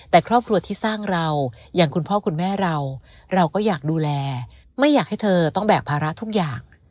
แต่ครอบครัวที่สร้างเราอย่างคุณพ่อคุณแม่เราเราก็อยากดูแลไม่อยากให้เธอต้องแบกภาระทุกอย่าง